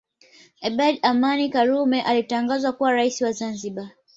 Abedi Amani Karume alitangazwa kuwa rais wa Zanzibari